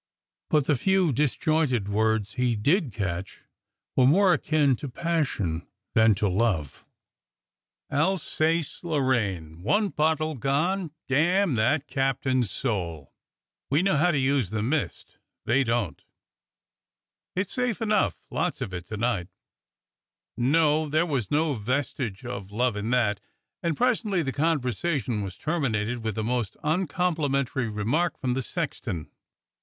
But the few disjointed words he did catch were more akin to passion than to love. 106 DOCTOR SYN "Alsace Lorraine — one bottle gone ! Damn that cap tain's soul!" Yes, there was passion there — not love. "We know how to use the mist — they don't." "It's safe enough. Lots of it to night " No, there was no vestige of love in that. And pres ently the conversation was terminated with the most uncomplimentary remark from the sexton.